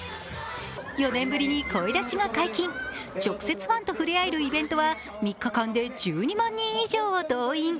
４年ぶりに声出しが解禁、直接、ファンとふれあえるイベントは３日間で１２万人以上を動員。